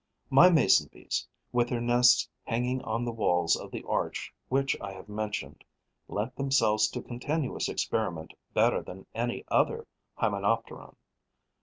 My Mason bees, with their nests hanging on the walls of the arch which I have mentioned, lent themselves to continuous experiment better than any other Hymenopteron.